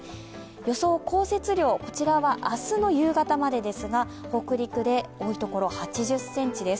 予想降雪量、こちらは明日の夕方までですが北陸で多いところ、８０ｃｍです。